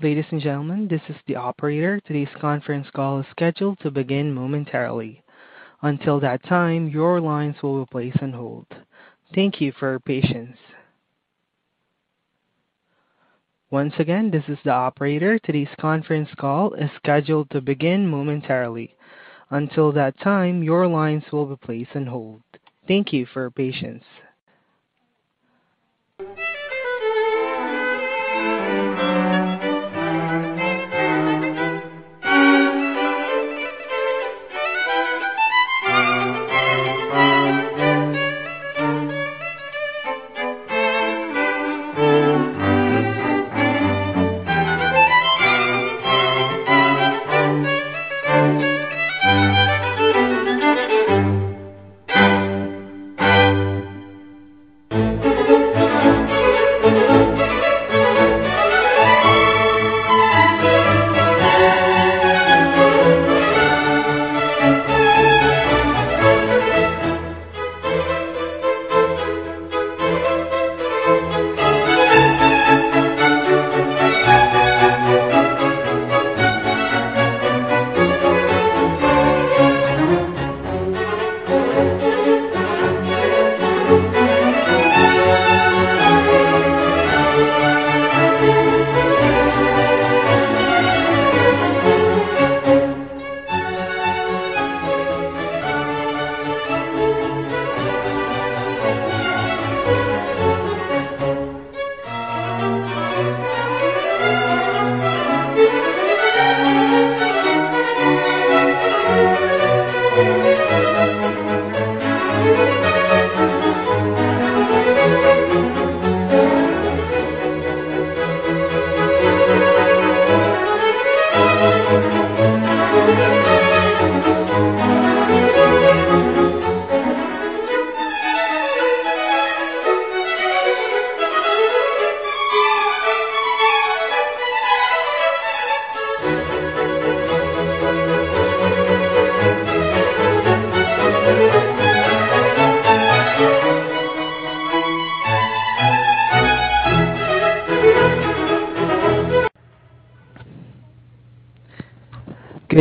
Ladies and gentlemen, this is the operator. Today's Conference Call is scheduled to begin momentarily. Until that time, your lines will be placed on hold. Thank you for your patience. Once again, this is the operator. Today's Conference Call is scheduled to begin momentarily. Until that time, your lines will be placed on hold. Thank you for your patience.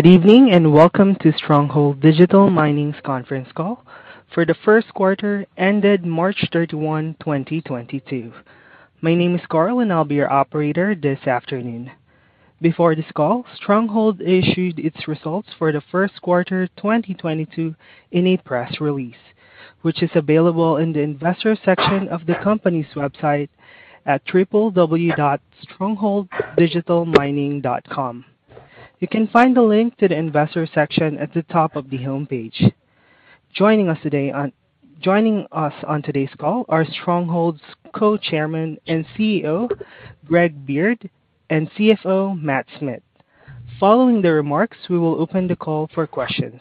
Good evening, and welcome to Stronghold Digital Mining's Conference Call for the Q1 ended March 31, 2022. My name is Carl, and I'll be your operator this afternoon. Before this call, Stronghold issued its results for the Q1 2022 in a press release, which is available in the investor section of the company's website at www.strongholddigitalmining.com. You can find the link to the investor section at the top of the homepage. Joining us on today's call are Stronghold's Co-chairman and CEO, Greg Beard, and CFO, Matt Smith. Following the remarks, we will open the call for questions.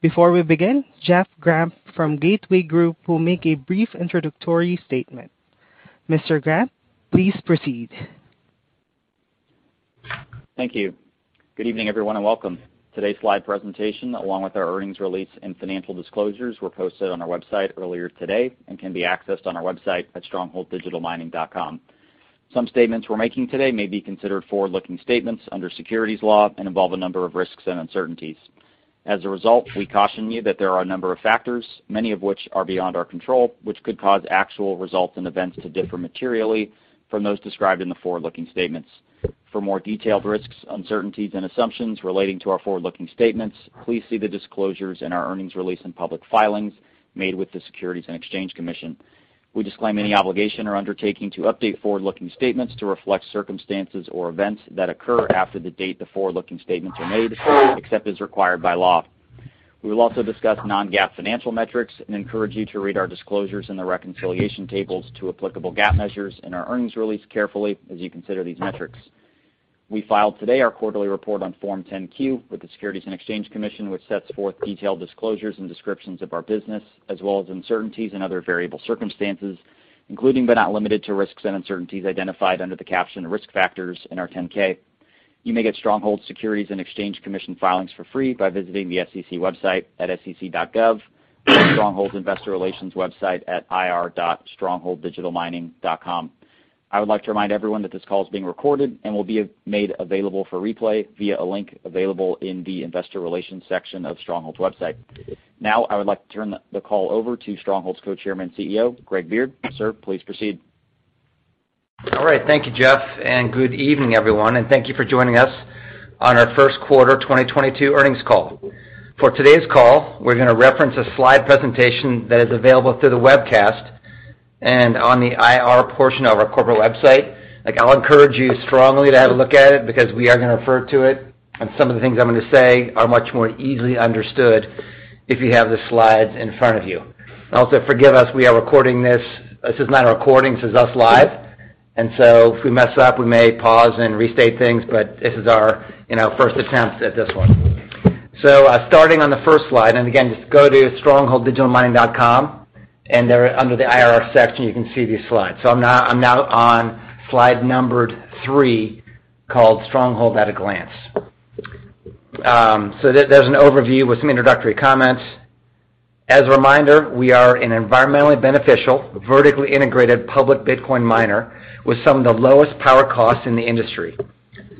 Before we begin, Alex Kovtun from Gateway Group will make a brief introductory statement. Mr. Kovtun, please proceed. Thank you. Good evening, everyone, and welcome. Today's slide presentation, along with our earnings release and financial disclosures, were posted on our website earlier today and can be accessed on our website at strongholddigitalmining.com. Some statements we're making today may be considered forward-looking statements under securities law and involve a number of risks and uncertainties. As a result, we caution you that there are a number of factors, many of which are beyond our control, which could cause actual results and events to differ materially from those described in the forward-looking statements. For more detailed risks, uncertainties, and assumptions relating to our forward-looking statements, please see the disclosures in our earnings release and public filings made with the Securities and Exchange Commission. We disclaim any obligation or undertaking to update forward-looking statements to reflect circumstances or events that occur after the date the forward-looking statements are made, except as required by law. We will also discuss non-GAAP financial metrics and encourage you to read our disclosures in the reconciliation tables to applicable GAAP measures in our earnings release carefully as you consider these metrics. We filed today our quarterly report on Form 10-Q with the Securities and Exchange Commission, which sets forth detailed disclosures and descriptions of our business, as well as uncertainties and other variable circumstances, including but not limited to risks and uncertainties identified under the caption Risk Factors in our Form 10-K. You may get Stronghold's Securities and Exchange Commission filings for free by visiting the SEC website at sec.gov or Stronghold's investor relations website at ir.strongholddigitalmining.com. I would like to remind everyone that this call is being recorded and will be made available for replay via a link available in the investor relations section of Stronghold's website. Now, I would like to turn the call over to Stronghold's Co-chairman and CEO, Greg Beard. Sir, please proceed. All right. Thank you, Alex Kovtun, and good evening, everyone, and thank you for joining us on our Q1 2022 earnings call. For today's call, we're gonna reference a slide presentation that is available through the webcast and on the IR portion of our corporate website. Like, I'll encourage you strongly to have a look at it because we are gonna refer to it, and some of the things I'm gonna say are much more easily understood if you have the slides in front of you. Also, forgive us, we are recording this. This is not a recording, this is us live. If we mess up, we may pause and restate things, but this is our, you know, first attempt at this one. Starting on the first slide, and again, just go to strongholddigitalmining.com, and there under the IR section, you can see these slides. I'm now on slide numbered three called Stronghold at a Glance. There's an overview with some introductory comments. As a reminder, we are an environmentally beneficial, vertically integrated public Bitcoin miner with some of the lowest power costs in the industry.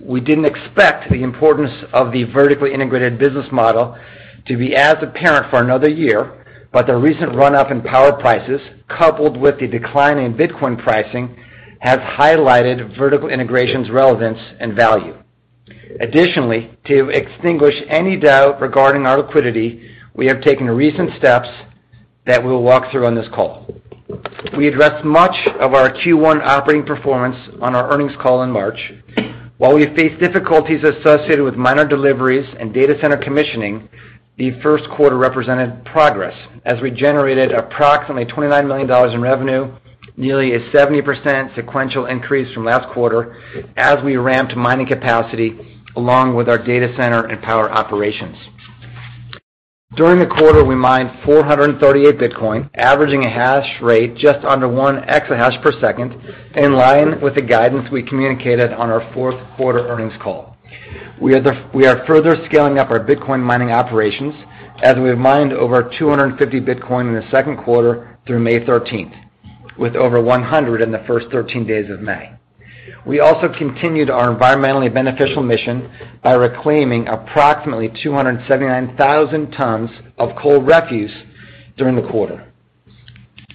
We didn't expect the importance of the vertically integrated business model to be as apparent for another year, but the recent run-up in power prices, coupled with the decline in Bitcoin pricing, has highlighted vertical integration's relevance and value. Additionally, to extinguish any doubt regarding our liquidity, we have taken recent steps that we'll walk through on this call. We addressed much of our Q1 operating performance on our earnings call in March. While we faced difficulties associated with miner deliveries and data center commissioning, the Q1 represented progress as we generated approximately $29 million in revenue, nearly a 70% sequential increase from last quarter as we ramped mining capacity along with our data center and power operations. During the quarter, we mined 438 Bitcoin, averaging a hash rate just under 1 exahash per second, in line with the guidance we communicated on our Q4 earnings call. We are further scaling up our Bitcoin mining operations as we mined over 250 Bitcoin in the Q2 through May 13th, with over 100 in the first 13 days of May. We also continued our environmentally beneficial mission by reclaiming approximately 279,000 tons of coal refuse during the quarter.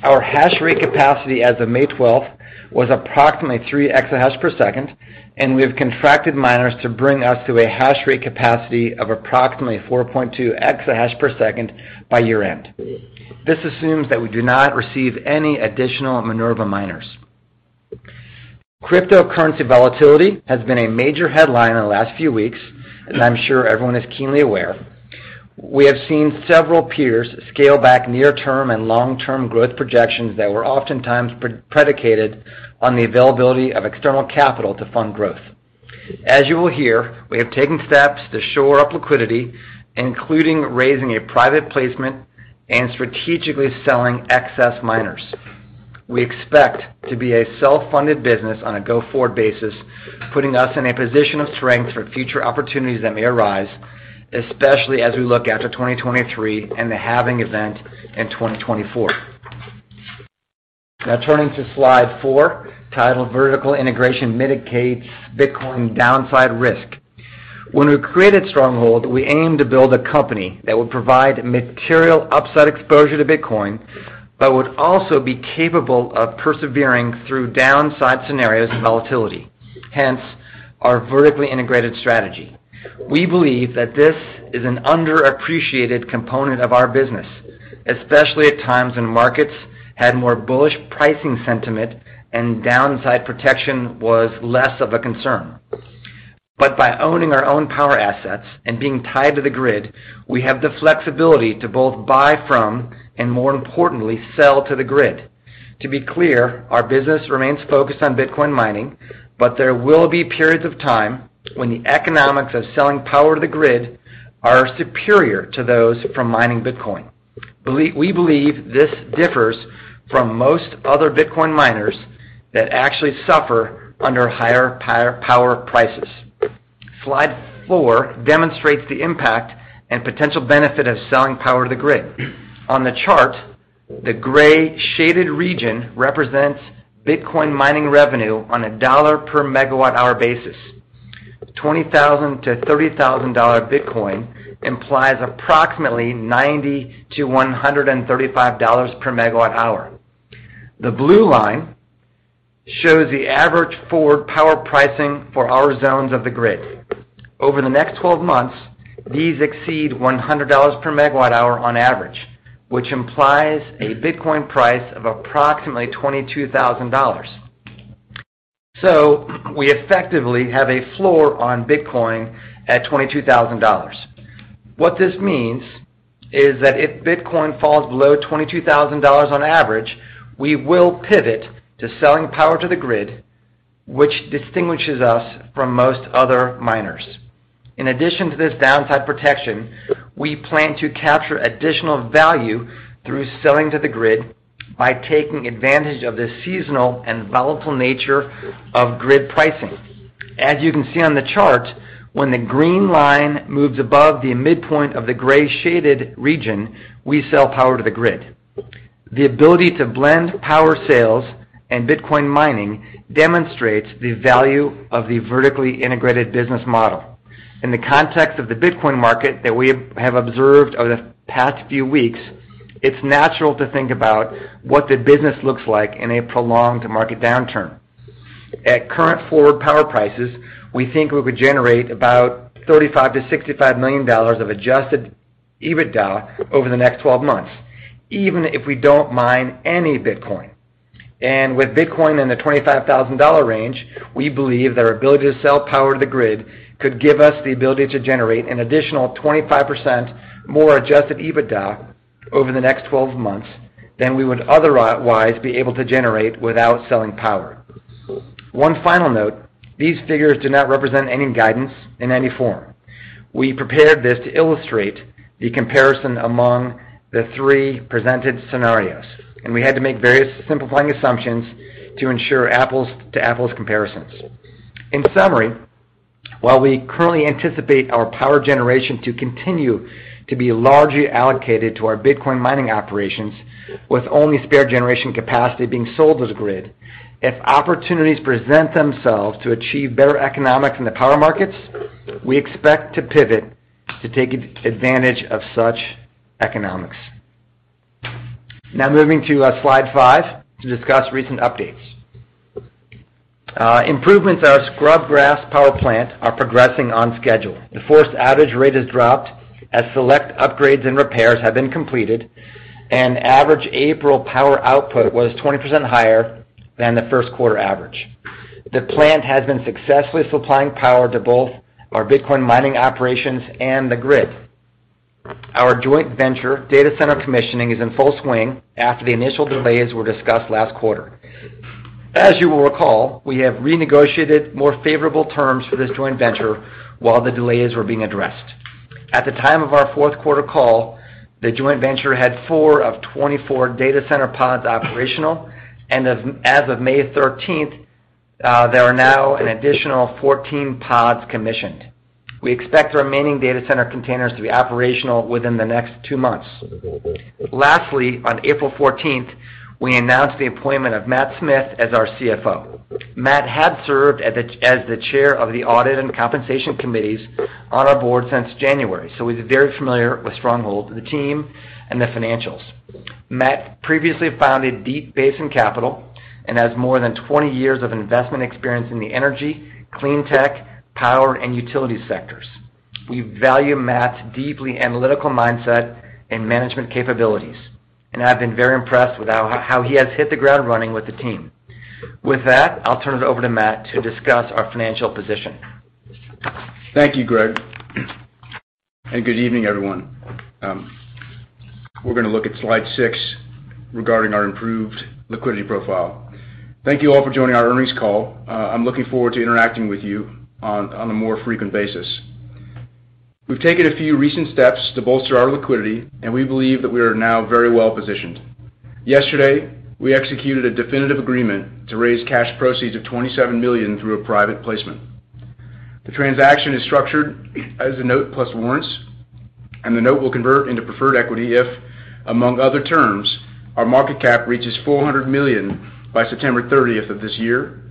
Our hash rate capacity as of May twelfth was approximately 3 exahash per second, and we have contracted miners to bring us to a hash rate capacity of approximately 4.2 exahash per second by year-end. This assumes that we do not receive any additional Minerva miners. Cryptocurrency volatility has been a major headline in the last few weeks, as I'm sure everyone is keenly aware. We have seen several peers scale back near-term and long-term growth projections that were oftentimes predicated on the availability of external capital to fund growth. As you will hear, we have taken steps to shore up liquidity, including raising a private placement and strategically selling excess miners. We expect to be a self-funded business on a go-forward basis, putting us in a position of strength for future opportunities that may arise, especially as we look after 2023 and the halving event in 2024. Now turning to slide 4, titled Vertical Integration Mitigates Bitcoin Downside Risk. When we created Stronghold, we aimed to build a company that would provide material upside exposure to Bitcoin but would also be capable of persevering through downside scenarios and volatility, hence our vertically integrated strategy. We believe that this is an underappreciated component of our business, especially at times when markets had more bullish pricing sentiment and downside protection was less of a concern. By owning our own power assets and being tied to the grid, we have the flexibility to both buy from and, more importantly, sell to the grid. To be clear, our business remains focused on Bitcoin mining, but there will be periods of time when the economics of selling power to the grid are superior to those from mining Bitcoin. We believe this differs from most other Bitcoin miners that actually suffer under higher-power prices. Slide four demonstrates the impact and potential benefit of selling power to the grid. On the chart, the gray shaded region represents Bitcoin mining revenue on a dollar-per-megawatt hour basis. $20,000-$30,000 dollar Bitcoin implies approximately $90-$135 per megawatt hour. The blue line shows the average forward power pricing for our zones of the grid. Over the next twelve months, these exceed $100 per megawatt hour on average, which implies a Bitcoin price of approximately $22,000. We effectively have a floor on Bitcoin at $22,000. What this means is that if Bitcoin falls below $22,000 on average, we will pivot to selling power to the grid, which distinguishes us from most other miners. In addition to this downside protection, we plan to capture additional value through selling to the grid by taking advantage of the seasonal and volatile nature of grid pricing. As you can see on the chart, when the green line moves above the midpoint of the gray shaded region, we sell power to the grid. The ability to blend power sales and Bitcoin mining demonstrates the value of the vertically integrated business model. In the context of the Bitcoin market that we have observed over the past few weeks, it's natural to think about what the business looks like in a prolonged market downturn. At current forward power prices, we think we could generate about $35 million-$65 million of adjusted EBITDA over the next 12 months, even if we don't mine any Bitcoin. With Bitcoin in the $25,000 range, we believe that our ability to sell power to the grid could give us the ability to generate an additional 25% more adjusted EBITDA over the next 12 months than we would otherwise be able to generate without selling power. One final note. These figures do not represent any guidance in any form. We prepared this to illustrate the comparison among the 3 presented scenarios, and we had to make various simplifying assumptions to ensure apples-to-apples comparisons. In summary. While we currently anticipate our power generation to continue to be largely allocated to our Bitcoin mining operations, with only spare generation capacity being sold as grid, if opportunities present themselves to achieve better economics in the power markets, we expect to pivot to take advantage of such economics. Now moving to slide 5 to discuss recent updates. Improvements at our Scrubgrass power plant are progressing on schedule. The forced outage rate has dropped as select upgrades and repairs have been completed, and average April power output was 20% higher than the Q1 average. The plant has been successfully supplying power to both our Bitcoin mining operations and the grid. Our joint venture data center commissioning is in full swing after the initial delays were discussed last quarter. As you will recall, we have renegotiated more favorable terms for this joint venture while the delays were being addressed. At the time of our Q4 call, the joint venture had 4 of 24 data center pods operational, and as of May thirteenth, there are now an additional 14 pods commissioned. We expect the remaining data center containers to be operational within the next two months. Lastly, on April fourteenth, we announced the appointment of Matt Smith as our CFO. Matt had served as the chair of the audit and compensation committees on our board since January, so he's very familiar with Stronghold, the team, and the financials. Matt previously founded Deep Basin Capital and has more than 20 years of investment experience in the energy, clean tech, power, and utility sectors. We value Matt's deeply analytical mindset and management capabilities, and I've been very impressed with how he has hit the ground running with the team. With that, I'll turn it over to Matt to discuss our financial position. Thank you, Greg. Good evening, everyone. We're gonna look at slide six regarding our improved liquidity profile. Thank you all for joining our earnings call. I'm looking forward to interacting with you on a more frequent basis. We've taken a few recent steps to bolster our liquidity, and we believe that we are now very well-positioned. Yesterday, we executed a definitive agreement to raise cash proceeds of $27 million through a private placement. The transaction is structured as a note plus warrants, and the note will convert into preferred equity if, among other terms, our market cap reaches $400 million by September thirtieth of this year.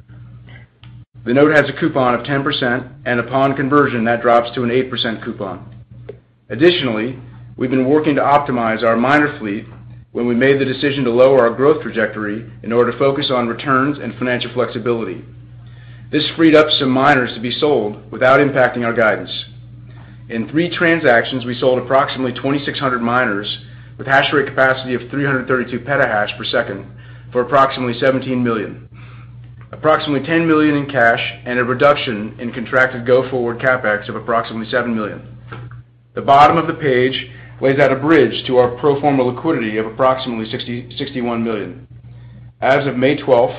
The note has a coupon of 10%, and upon conversion, that drops to an 8% coupon. We've been working to optimize our miner fleet when we made the decision to lower our growth trajectory in order to focus on returns and financial flexibility. This freed up some miners to be sold without impacting our guidance. In three transactions, we sold approximately 2,600 miners with hash rate capacity of 332 petahash per second for approximately $17 million. Approximately $10 million in cash and a reduction in contracted go forward CapEx of approximately $7 million. The bottom of the page lays out a bridge to our pro forma liquidity of approximately $60-$61 million. As of May 12,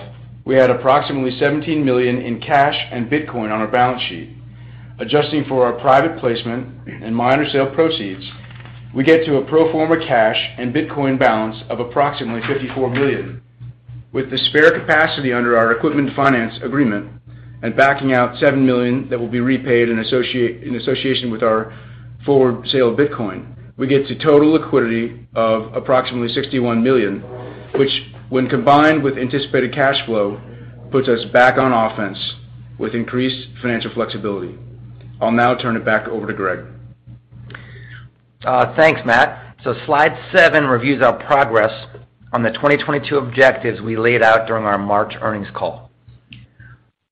we had approximately $17 million in cash and Bitcoin on our balance sheet. Adjusting for our private placement and miner sale proceeds, we get to a pro forma cash and Bitcoin balance of approximately $54 million. With the spare capacity under our equipment finance agreement and backing out $7 million that will be repaid in association with our forward sale of Bitcoin, we get to total liquidity of approximately $61 million, which, when combined with anticipated cash flow, puts us back on offense with increased financial flexibility. I'll now turn it back over to Greg. Thanks, Matt. Slide 7 reviews our progress on the 2022 objectives we laid out during our March earnings call.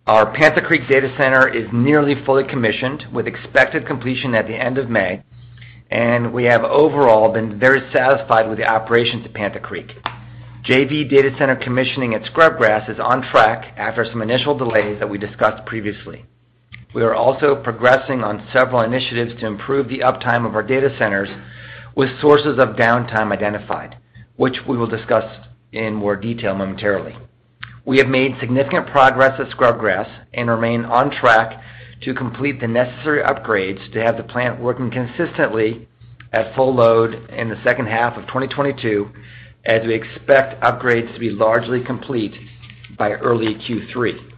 Our Panther Creek data center is nearly fully commissioned, with expected completion at the end of May, and we have overall been very satisfied with the operations at Panther Creek. JV data center commissioning at Scrubgrass is on track after some initial delays that we discussed previously. We are also progressing on several initiatives to improve the uptime of our data centers with sources of downtime identified, which we will discuss in more detail momentarily. We have made significant progress at Scrubgrass and remain on track to complete the necessary upgrades to have the plant working consistently at full load in the second half of 2022 as we expect upgrades to be largely complete by early Q3.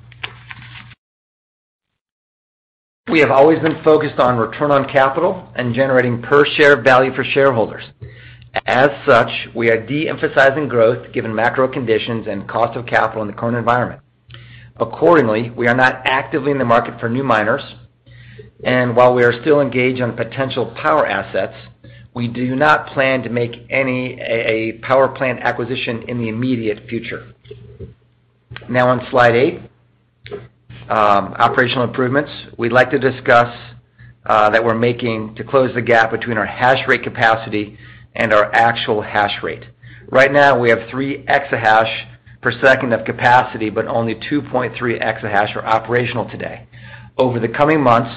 We have always been focused on return on capital and generating per share value for shareholders. As such, we are de-emphasizing growth given macro conditions and cost of capital in the current environment. Accordingly, we are not actively in the market for new miners, and while we are still engaged on potential power assets, we do not plan to make any power plant acquisition in the immediate future. Now on slide 8, operational improvements. We'd like to discuss that we're making to close the gap between our hash rate capacity and our actual hash rate. Right now, we have 3 exahash per second of capacity, but only 2.3 exahash are operational today. Over the coming months,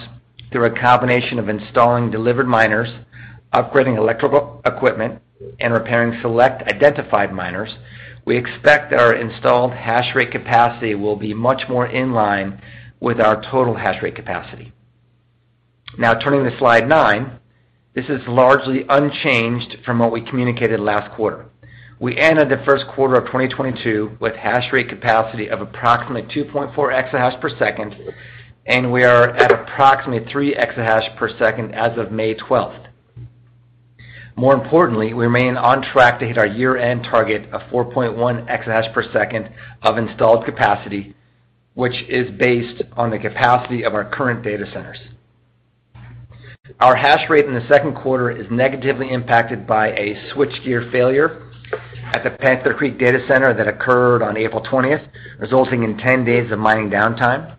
through a combination of installing delivered miners, upgrading electrical equipment, and repairing select identified miners, we expect that our installed hash rate capacity will be much more in line with our total hash rate capacity. Now turning to slide nine, this is largely unchanged from what we communicated last quarter. We ended the Q1 2022 with hash rate capacity of approximately 2.4 exahash per second, and we are at approximately 3 exahash per second as of May twelfth. More importantly, we remain on track to hit our year-end target of 4.1 exahash per second of installed capacity, which is based on the capacity of our current data centers. Our hash rate in the Q2 is negatively impacted by a switchgear failure at the Panther Creek data center that occurred on April 20, resulting in 10 days of mining downtime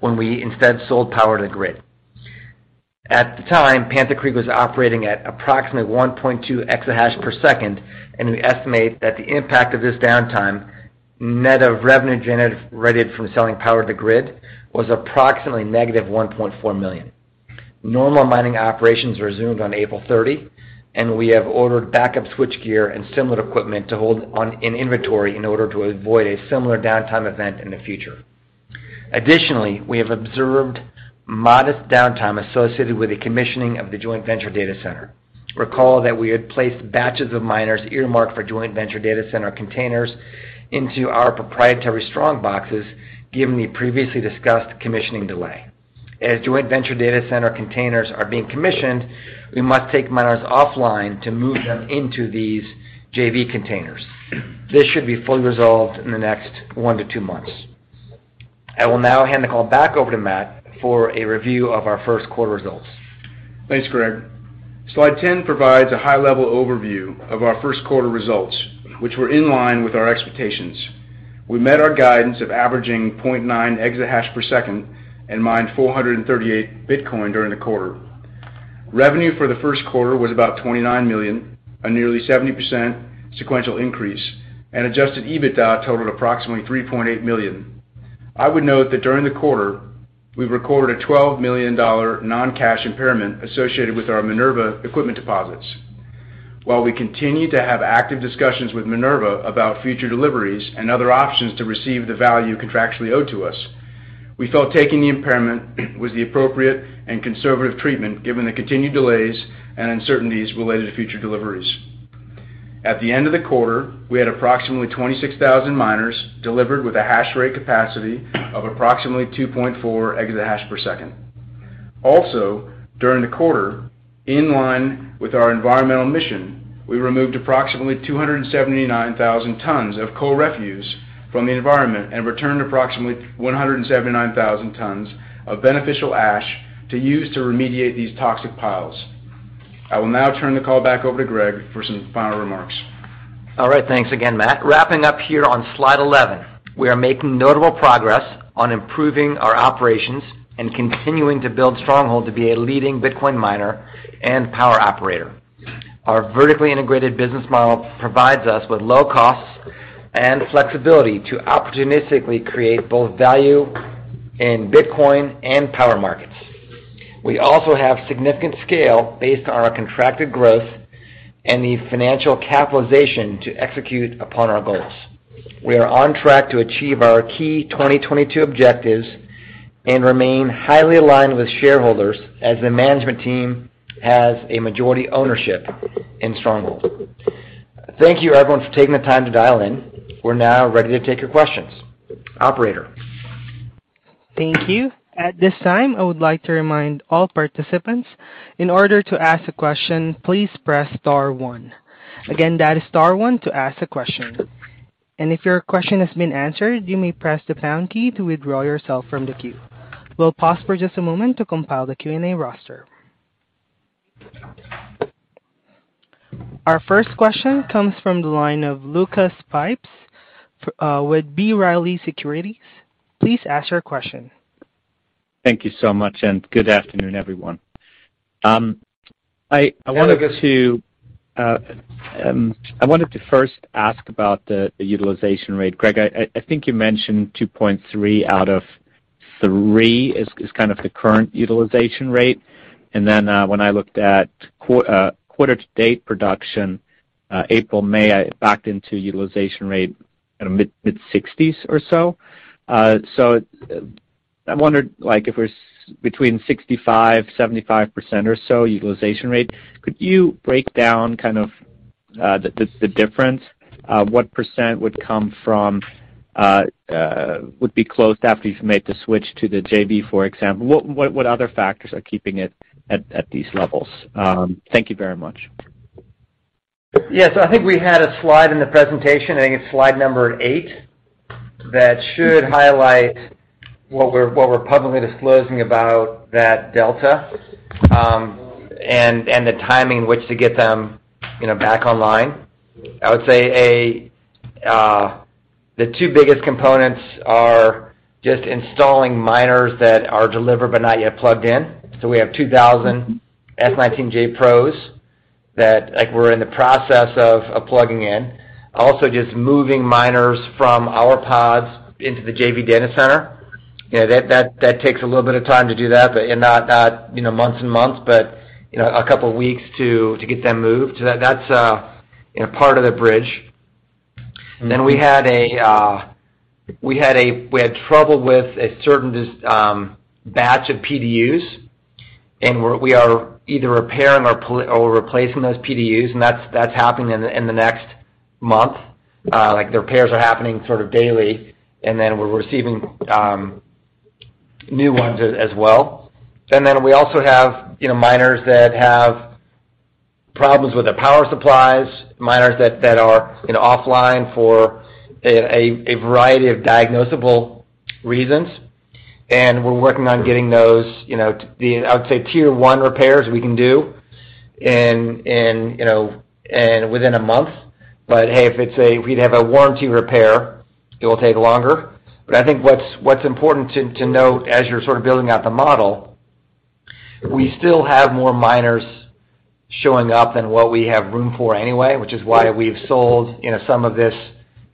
when we instead sold power to the grid. At the time, Panther Creek was operating at approximately 1.2 exahash per second, and we estimate that the impact of this downtime, net of revenue generated from selling power to the grid, was approximately -$1.4 million. Normal mining operations resumed on April 30, and we have ordered backup switchgear and similar equipment to hold on hand in inventory in order to avoid a similar downtime event in the future. Additionally, we have observed modest downtime associated with the commissioning of the joint venture data center. Recall that we had placed batches of miners earmarked for joint venture data center containers into our proprietary Strong Boxes given the previously discussed commissioning delay. As joint venture data center containers are being commissioned, we must take miners offline to move them into these JV containers. This should be fully resolved in the next one to two months. I will now hand the call back over to Matt for a review of our Q1 results. Thanks, Greg. Slide 10 provides a high-level overview of our Q1 results, which were in line with our expectations. We met our guidance of averaging 0.9 exahash per second and mined 438 Bitcoin during the quarter. Revenue for the Q1 was about $29 million, a nearly 70% sequential increase, and adjusted EBITDA totaled approximately $3.8 million. I would note that during the quarter, we recorded a $12 million non-cash impairment associated with our Minerva equipment deposits. While we continue to have active discussions with Minerva about future deliveries and other options to receive the value contractually owed to us, we felt taking the impairment was the appropriate and conservative treatment given the continued delays and uncertainties related to future deliveries. At the end of the quarter, we had approximately 26,000 miners delivered with a hash rate capacity of approximately 2.4 exahash per second. Also, during the quarter, in line with our environmental mission, we removed approximately 279,000 tons of coal refuse from the environment and returned approximately 179,000 tons of beneficial ash to use to remediate these toxic piles. I will now turn the call back over to Greg for some final remarks. All right. Thanks again, Matt. Wrapping up here on slide 11, we are making notable progress on improving our operations and continuing to build Stronghold to be a leading Bitcoin miner and power operator. Our vertically integrated business model provides us with low-costs and flexibility to opportunistically create both value in Bitcoin and power markets. We also have significant scale based on our contracted growth and the financial capitalization to execute upon our goals. We are on track to achieve our key 2022 objectives and remain highly-aligned with shareholders as the management team has a majority ownership in Stronghold. Thank you everyone for taking the time to dial in. We're now ready to take your questions. Operator? Thank you. At this time, I would like to remind all participants in order to ask a question, please press star one. Again, that is star one to ask a question. If your question has been answered, you may press the pound key to withdraw yourself from the queue. We'll pause for just a moment to compile the Q&A roster. Our first question comes from the line of Lucas Pipes, with B. Riley Securities. Please ask your question. Thank you so much, and good afternoon, everyone. I wanted to first ask about the utilization rate. Greg, I think you mentioned 2.3 out of 3 is kind of the current utilization rate. When I looked at quarter-to-date production, April, May, I backed into utilization rate at a mid-sixties or so. I wondered, like, if we're between 65%-75% or so utilization rate, could you break down kind of the difference? What percent would come from would be closed after you've made the switch to the JV, for example? What other factors are keeping it at these levels? Thank you very much. Yes. I think we had a slide in the presentation, I think it's slide number 8, that should highlight what we're publicly disclosing about that delta, and the timing in which to get them, you know, back online. I would say the two biggest components are just installing miners that are delivered but not yet plugged in. We have 2000 S19j pros that, like, we're in the process of plugging in. Also, just moving miners from our pods into the JV data center. You know, that takes a little bit of time to do that, but not you know months and months, but you know a couple of weeks to get them moved. That's you know, part of the bridge. We had trouble with a certain batch of PDUs, and we are either repairing or replacing those PDUs, and that's happening in the next month. Like, the repairs are happening sort of daily, and then we're receiving new ones as well. We also have you know, miners that have problems with their power supplies, miners that are you know, offline for a variety of diagnosable reasons. We're working on getting those you know, the I would say, tier one repairs we can do in you know and within a month. Hey, if it's a warranty repair, it will take longer. I think what's important to note as you're sort of building out the model, we still have more miners showing up than what we have room for anyway, which is why we've sold, you know, some of this,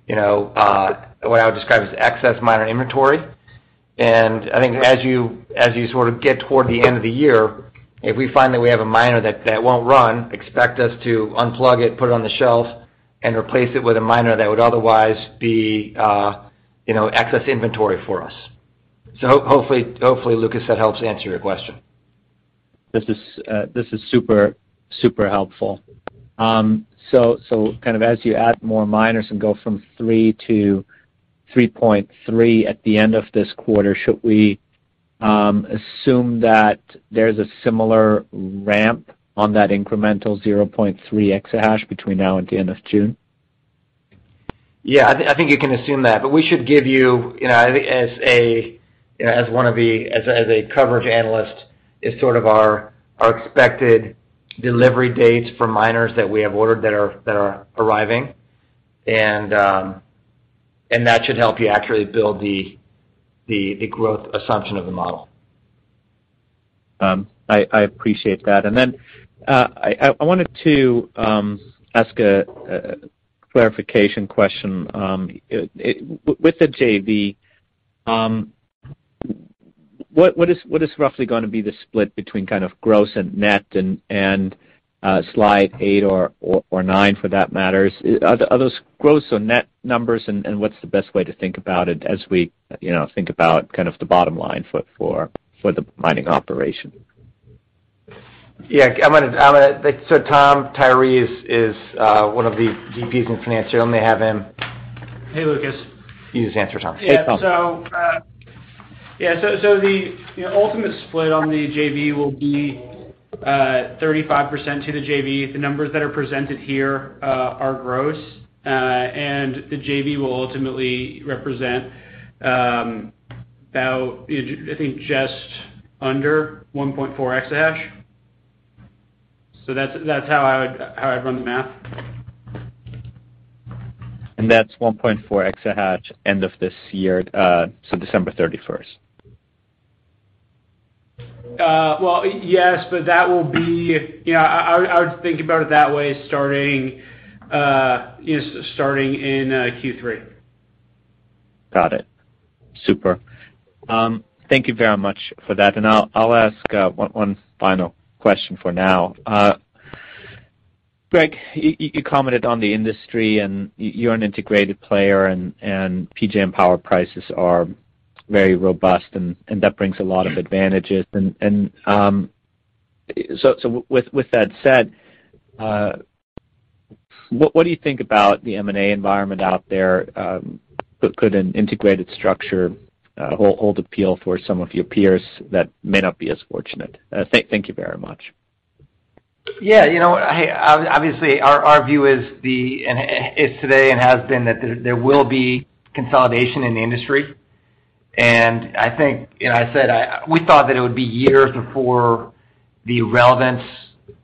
you know, what I would describe as excess miner inventory. I think as you sort of get toward the end of the year, if we find that we have a miner that won't run, expect us to unplug it, put it on the shelf, and replace it with a miner that would otherwise be, you know, excess inventory for us. Hopefully, Lucas, that helps answer your question. This is super helpful. Kind of as you add more miners and go from 3 to 3.3 at the end of this quarter, should we assume that there's a similar ramp on that incremental 0.3 exahash between now and the end of June? Yeah. I think you can assume that, but we should give you know, I think as a, you know, as a coverage analyst is sort of our expected delivery dates for miners that we have ordered that are arriving. That should help you accurately build the growth assumption of the model. I appreciate that. I wanted to ask a clarification question. With the JV, what is roughly gonna be the split between kind of gross and net and slide 8 or 9 for that matter? Are those gross or net numbers, and what's the best way to think about it as we, you know, think about kind of the bottom-line for the mining operation? Yeah. Thomas Tyree is one of the VPs in finance. I'm gonna have him- Hey, Lucas. You just answer, Tom. Yeah. Hey, Tom. The ultimate split on the JV will be 35% to the JV. The numbers that are presented here are gross. The JV will ultimately represent about, I think just under 1.4 exahash. That's how I'd run the math. That's 1.4 exahash end of this year, so December 31st. Well, yes, but that will be, you know. I would think about it that way starting in Q3. Got it. Super. Thank you very much for that. I'll ask one final question for now. Greg, you commented on the industry, and you're an integrated player and PJM power prices are very robust, and that brings a lot of advantages. With that said, what do you think about the M&A environment out there that could an integrated structure hold appeal for some of your peers that may not be as fortunate? Thank you very much. Yeah. You know, I obviously our view is and is today and has been that there will be consolidation in the industry. I think, you know, we thought that it would be years before the relevance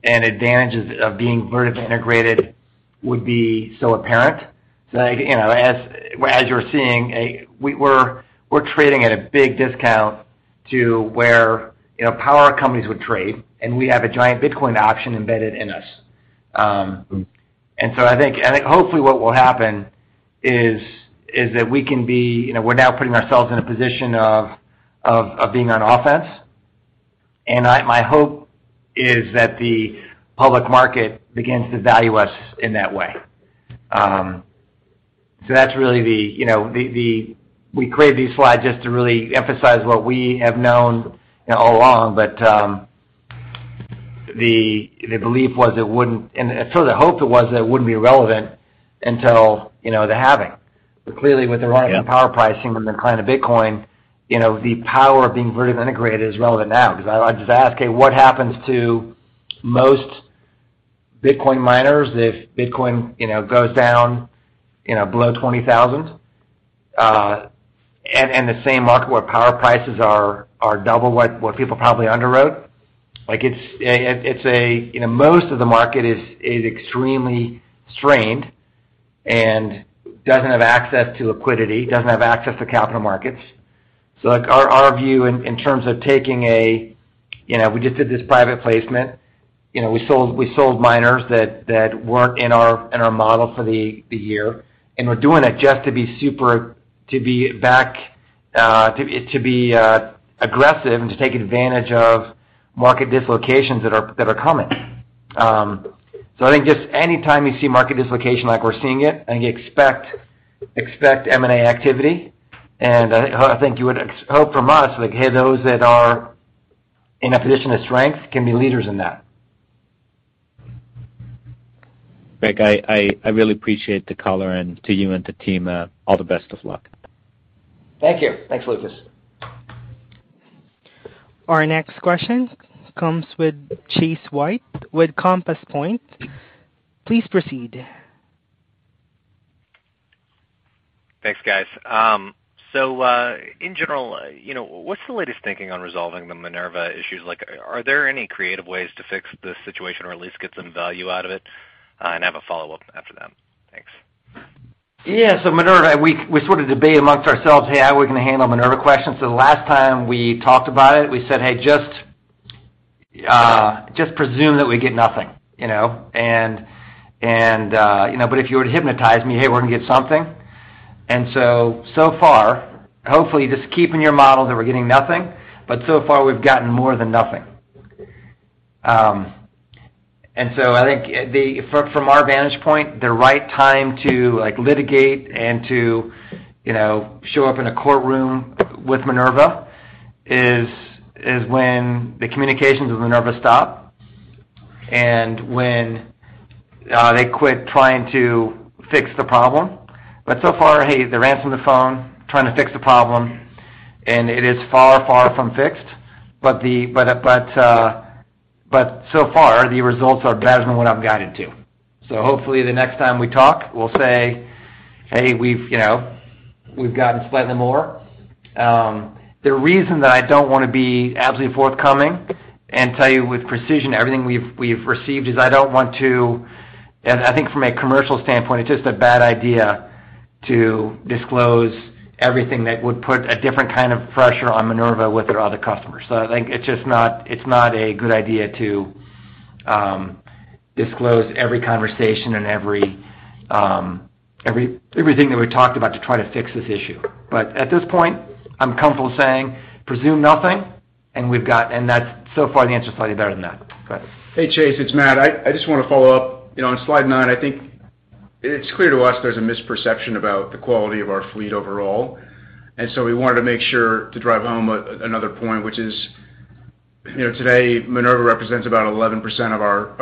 and advantages of being vertically integrated would be so apparent. Like, you know, as you're seeing, we're trading at a big discount to where, you know, power companies would trade, and we have a giant Bitcoin option embedded in us. I think, and hopefully what will happen is that we can be, you know, we're now putting ourselves in a position of being on offense. My hope is that the public market begins to value us in that way. That's really the, you know, the. We created these slides just to really emphasize what we have known, you know, all along. The belief was it wouldn't, and so the hope was that it wouldn't be relevant until, you know, the halving. Clearly, with the rise. Yeah. In power pricing and the decline of Bitcoin, you know, the power of being vertically integrated is relevant now. 'Cause I like to ask, okay, what happens to most Bitcoin miners if Bitcoin, you know, goes down, you know, below $20,000, and the same market where power prices are double what people probably underwrote? Like it's a, you know, most of the market is extremely strained and doesn't have access to liquidity, doesn't have access to capital markets. Like, our view in terms of taking a, you know, we just did this private placement. You know, we sold miners that weren't in our model for the year. We're doing it just to be super aggressive and to take advantage of market dislocations that are coming. I think just any time you see market dislocation like we're seeing it, I think expect M&A activity. I think you would expect from us, like, hey, those that are in a position of strength can be leaders in that. Greg, I really appreciate the color and to you and the team, all the best of luck. Thank you. Thanks, Lucas. Our next question comes with Chase White with Compass Point. Please proceed. Thanks, guys. In general, you know, what's the latest thinking on resolving the Minerva issues? Like, are there any creative ways to fix this situation or at least get some value out of it? I have a follow-up after that. Thanks. Yeah. Minerva, we sort of debate amongst ourselves, hey, how are we gonna handle Minerva questions? The last time we talked about it, we said, "Hey, just presume that we get nothing," you know? But if you were to hypnotize me, "Hey, we're gonna get something." So far, hopefully, just keep in your model that we're getting nothing, but so far, we've gotten more than nothing. I think from our vantage point, the right time to, like, litigate and to, you know, show up in a courtroom with Minerva is when the communications with Minerva stop and when they quit trying to fix the problem. So far, hey, they're answering the phone, trying to fix the problem, and it is far, far from fixed. So far, the results are better than what I've guided to. Hopefully, the next time we talk, we'll say, "Hey, we've, you know, gotten slightly more." The reason that I don't wanna be absolutely forthcoming and tell you with precision everything we've received is I don't want to. I think from a commercial standpoint, it's just a bad idea to disclose everything that would put a different kind of pressure on Minerva with their other customers. I think it's just not a good idea to disclose every conversation and everything that we talked about to try to fix this issue. At this point, I'm comfortable saying presume nothing, and we've got, and so far, the answer is probably better than that. Go ahead. Hey, Chase, it's Matt. I just wanna follow up. You know, on slide 9, I think it's clear to us there's a misperception about the quality of our fleet overall. We wanted to make sure to drive home another point, which is, you know, today, Minerva represents about 11% of our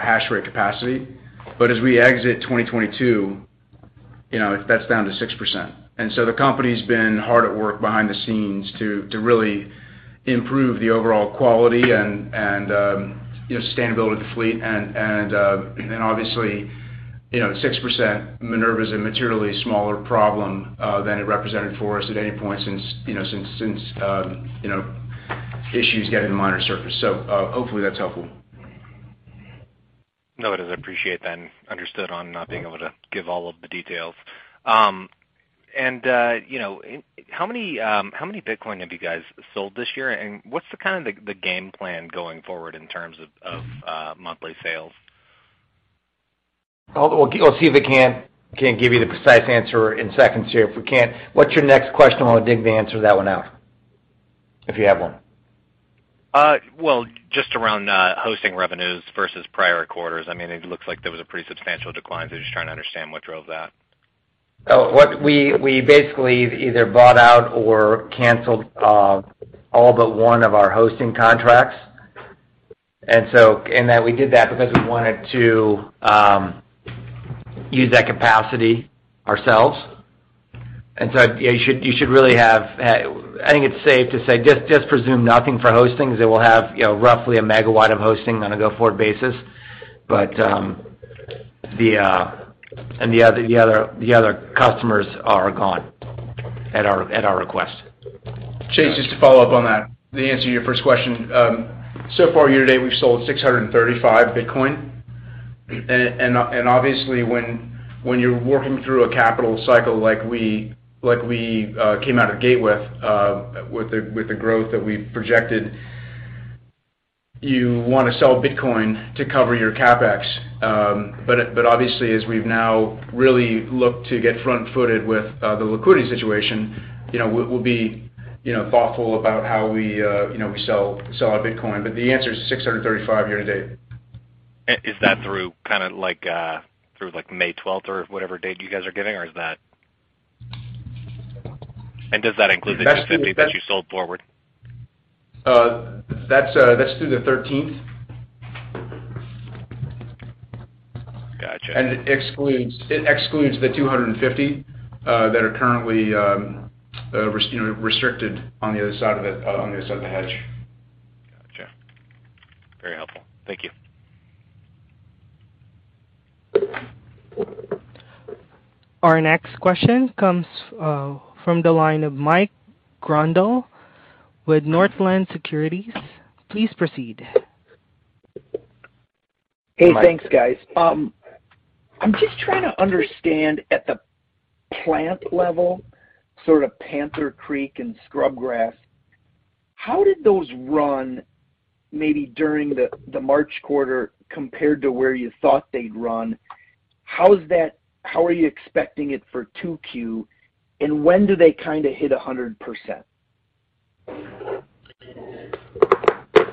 hash rate capacity. As we exit 2022, you know, that's down to 6%. The company's been hard at work behind the scenes to really improve the overall quality and sustainability of the fleet. Obviously, you know, at 6%, Minerva is a materially smaller problem than it represented for us at any point since issues with Minerva surfaced. Hopefully, that's helpful. No, it is. I appreciate that and understand on not being able to give all of the details. You know, how many Bitcoin have you guys sold this year? And what's the kind of game plan going forward in terms of monthly sales? Well, we'll see if we can give you the precise answer in seconds here. If we can't, what's your next question? I wanna dig the answer that one out, if you have one. Well, just around hosting revenues versus prior quarters. I mean, it looks like there was a pretty substantial decline. Just trying to understand what drove that. Oh, what we basically either bought out or canceled all but one of our hosting contracts. We did that because we wanted to use that capacity ourselves. You should really have, I think it's safe to say, just presume nothing for hosting 'cause it will have, you know, roughly a megawatt of hosting on a go-forward basis. But the other customers are gone at our request. Chase, just to follow-up on that, the answer to your first question. So far, year to date, we've sold 635 Bitcoin. Obviously, when you're working through a capital cycle like we came out of the gate with the growth that we projected, you wanna sell Bitcoin to cover your CapEx. Obviously, as we've now really looked to get front-footed with the liquidity situation, you know, we'll be thoughtful about how we sell our Bitcoin. The answer is 635 year to date. Is that through like May twelfth or whatever date you guys are giving, or does that include the 250 that you sold forward? That's through the thirteenth. Gotcha. It excludes the 250 that are currently you know, restricted on the other side of it, on the other side of the hedge. Gotcha. Very helpful. Thank you. Our next question comes from the line of Michael Grondahl with Northland Securities. Please proceed. Hey, thanks, guys. I'm just trying to understand at the plant level, sort of Panther Creek and Scrubgrass, how did those run maybe during the March quarter compared to where you thought they'd run? How are you expecting it for 2Q? And when do they kind of hit 100%?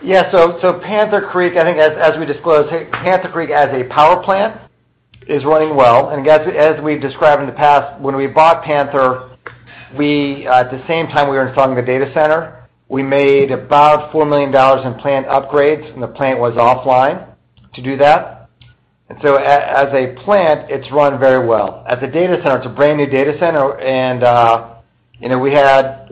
Panther Creek, I think as we disclose, Panther Creek as a power plant is running well. Again, as we've described in the past, when we bought Panther, we at the same time were installing the data center. We made about $4 million in plant upgrades, and the plant was offline to do that. As a plant, it's run very well. As a data center, it's a brand-new data center, and you know, we had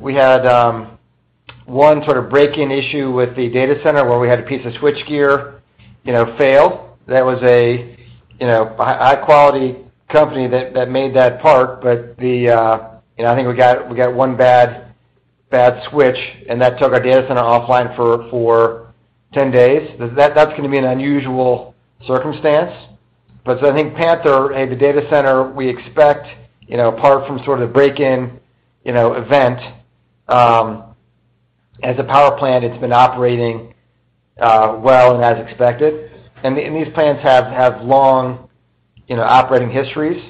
one sort of break-in issue with the data center where we had a piece of switchgear you know fail. That was you know a high-quality company that made that part. But the you know, I think we got one bad switch, and that took our data center offline for 10 days. That's gonna be an unusual circumstance. I think Panther, the data center, we expect, you know, apart from sort of break-in, you know, event, as a power plant, it's been operating, well and as expected. These plants have long, you know, operating histories.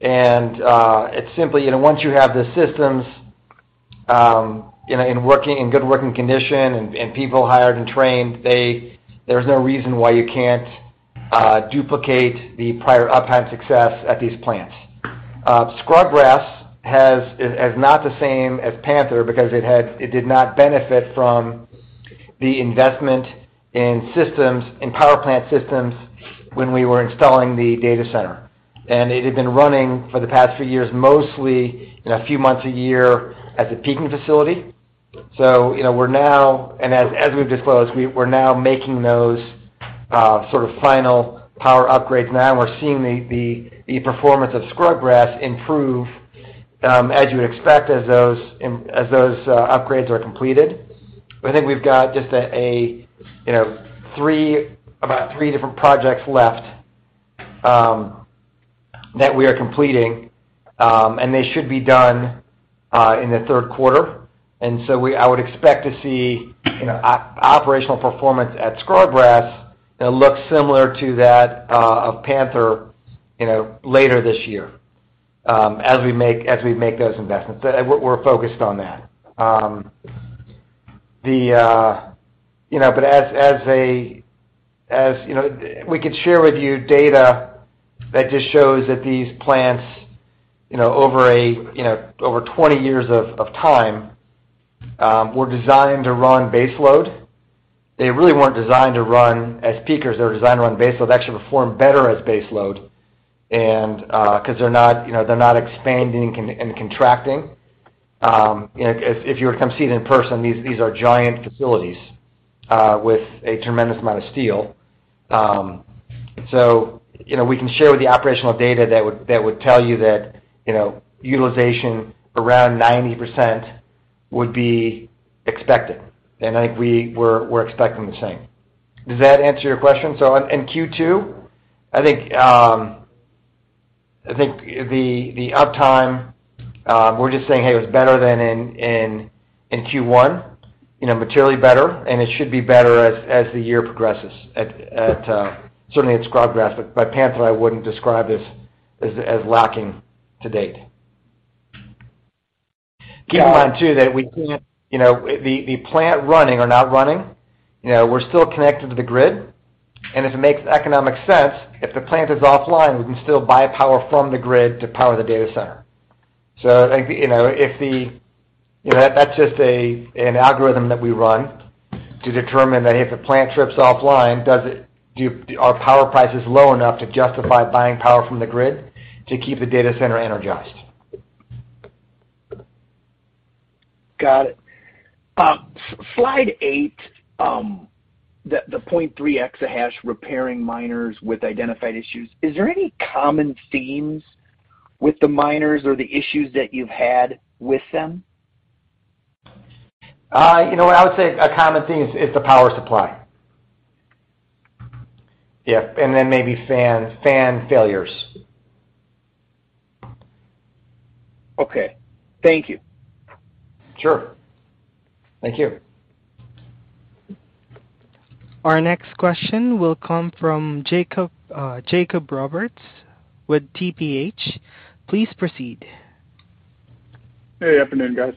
It's simply, you know, once you have the systems, you know, in good working condition and people hired and trained, there's no reason why you can't duplicate the prior uptime success at these plants. Scrubgrass is not the same as Panther because it did not benefit from the investment in systems, in power plant systems when we were installing the data center. It had been running for the past few years, mostly in a few months a year as a peaking facility. As we've disclosed, we're now making those sort of final power upgrades. Now we're seeing the performance of Scrubgrass improve, as you'd expect as those upgrades are completed. I think we've got just about three different projects left that we are completing, and they should be done in the Q3. I would expect to see operational performance at Scrubgrass that looks similar to that of Panther later this year as we make those investments. We're focused on that. You know, we could share with you data that just shows that these plants, you know, over 20 years of time, were designed to run base load. They really weren't designed to run as peakers. They were designed to run base load, actually perform better as base load and, 'cause they're not, you know, they're not expanding and contracting. You know, if you were to come see it in person, these are giant facilities with a tremendous amount of steel. So, you know, we can share with the operational data that would tell you that, you know, utilization around 90% would be expected. I think we're expecting the same. Does that answer your question? In Q2, I think the uptime, we're just saying, hey, it was better than in Q1, you know, materially better, and it should be better as the year progresses certainly at Scrubgrass. But Panther, I wouldn't describe as lacking to date. Got it. Keep in mind too, that we can't, you know, the plant running or not running, you know, we're still connected to the grid. If it makes economic sense, if the plant is offline, we can still buy power from the grid to power the data center. I think, you know, that's just an algorithm that we run to determine that if a plant trips offline, are power prices low enough to justify buying power from the grid to keep the data center energized? Got it. Slide eight, the 0.3 exahash repairing miners with identified issues. Is there any common themes with the miners or the issues that you've had with them? You know what, I would say a common theme is the power supply. Yeah, then maybe fan failures. Okay. Thank you. Sure. Thank you. Our next question will come from Jake Roberts with TPH & Co. Please proceed. Hey, good afternoon, guys.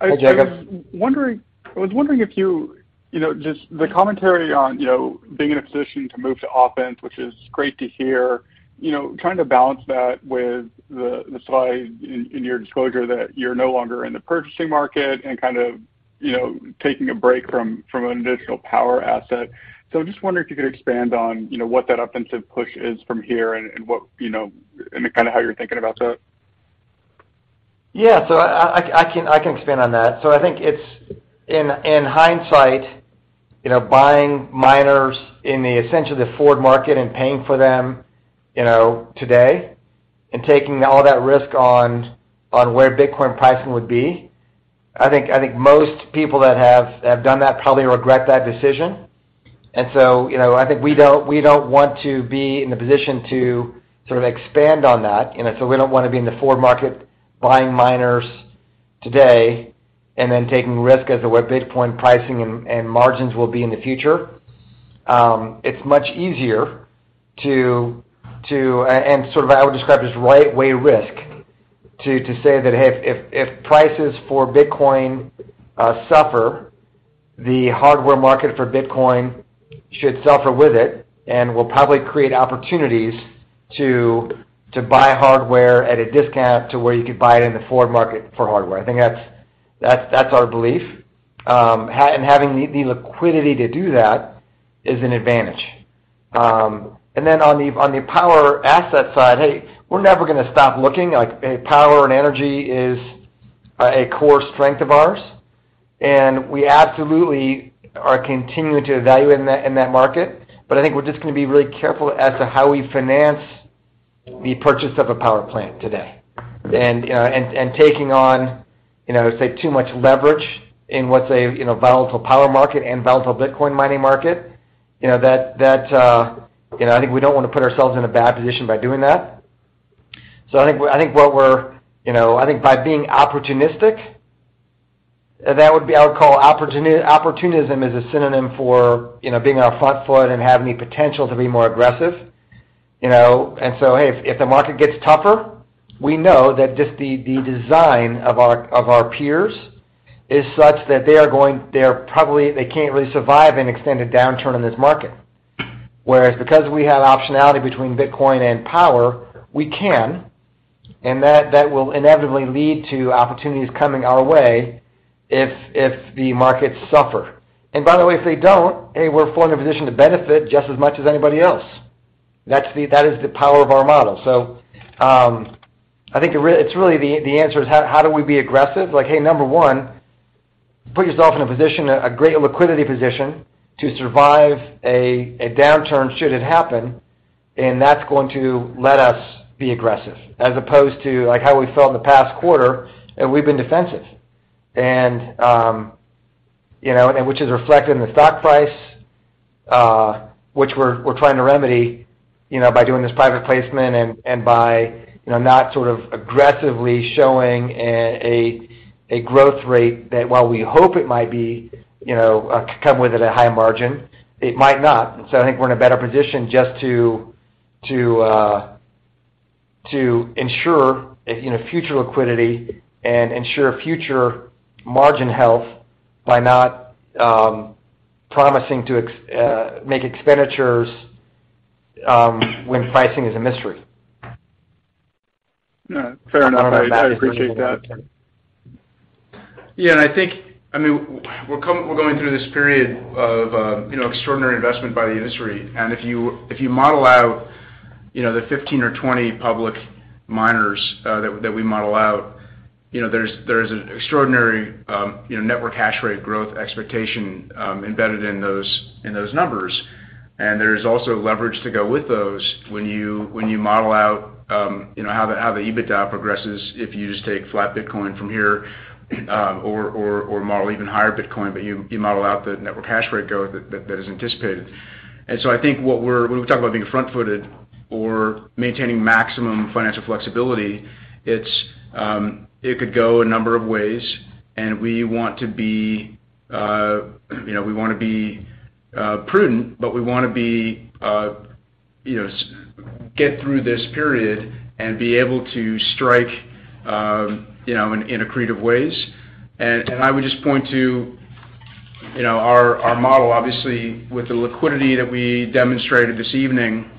Hey, Jake. I was wondering if you know, just the commentary on, you know, being in a position to move to offense, which is great to hear. You know, trying to balance that with the slide in your disclosure that you're no longer in the purchasing market and kind of, you know, taking a break from an additional power asset. I'm just wondering if you could expand on, you know, what that offensive push is from here and what, you know, and kind of how you're thinking about that. Yeah. I can expand on that. I think it's in hindsight, you know, buying miners in essentially the forward market and paying for them, you know, today and taking all that risk on where Bitcoin pricing would be, I think most people that have done that probably regret that decision. I think we don't want to be in the position to sort of expand on that. You know, we don't wanna be in the forward market buying miners. Today, taking risk as to what Bitcoin pricing and margins will be in the future. It's much easier, and sort of I would describe as right way risk, to say that if prices for Bitcoin suffer, the hardware market for Bitcoin should suffer with it and will probably create opportunities to buy hardware at a discount to where you could buy it in the forward market for hardware. I think that's our belief. Having the liquidity to do that is an advantage. On the power asset side, hey, we're never gonna stop looking. Like, power and energy is a core strength of ours, and we absolutely are continuing to evaluate in that market. I think we're just gonna be really careful as to how we finance the purchase of a power plant today. Taking on, you know, say, too much leverage in what's a, you know, volatile power market and volatile Bitcoin mining market, you know, that, you know, I think we don't wanna put ourselves in a bad position by doing that. I think what we're, you know, I think by being opportunistic, that would be. I would call opportunism as a synonym for, you know, being on our front foot and having the potential to be more aggressive. If the market gets tougher, we know that just the design of our peers is such that they can't really survive an extended downturn in this market. Because we have optionality between Bitcoin and power, we can, and that will inevitably lead to opportunities coming our way if the markets suffer. By the way, if they don't, hey, we're fully in a position to benefit just as much as anybody else. That is the power of our model. I think it's really the answer is how do we be aggressive? Like, hey, number one, put yourself in a great liquidity position to survive a downturn should it happen, and that's going to let us be aggressive, as opposed to, like, how we felt in the past quarter, and we've been defensive. You know, which is reflected in the stock price, which we're trying to remedy, you know, by doing this private placement and by, you know, not sort of aggressively showing a growth rate that while we hope it might be, you know, come with a high-margin, it might not. I think we're in a better position just to ensure, you know, future liquidity and ensure future margin health by not promising to make expenditures when pricing is a mystery. No, fair enough. I appreciate that. Yeah, I think. I mean, we're going through this period of, you know, extraordinary investment by the industry. If you model out, you know, the 15 or 20 public miners that we model out, you know, there's an extraordinary, you know, network hash rate growth expectation embedded in those numbers. There's also leverage to go with those when you model out, you know, how the EBITDA progresses if you just take flat Bitcoin from here or model even higher-Bitcoin, but you model out the network hash rate growth that is anticipated. I think what we're When we talk about being front-footed or maintaining maximum financial flexibility, it's. It could go a number of ways and we want to be, you know, we wanna be, you know, get through this period and be able to strike, you know, in creative ways. I would just point to, you know, our model, obviously with the liquidity that we demonstrated this evening,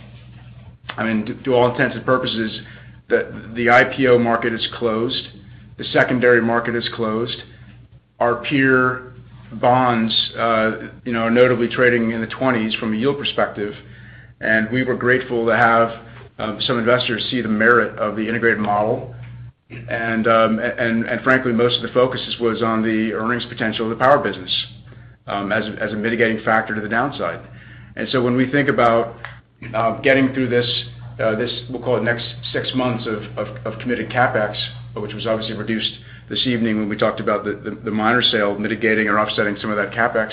I mean, to all intents and purposes, the IPO market is closed, the secondary market is closed. Our peer bonds are notably trading in the 20s from a yield perspective, and we were grateful to have some investors see the merit of the integrated model. Frankly, most of the focus was on the earnings potential of the power business, as a mitigating factor to the downside. When we think about getting through this, we'll call it next six months of committed CapEx, which was obviously reduced this evening when we talked about the miner sale mitigating or offsetting some of that CapEx,